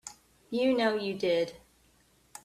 You know you did.